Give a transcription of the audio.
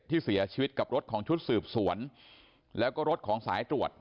ที่เสียชีวิตกับรถของชุดสืบสวนแล้วก็รถของสายตรวจ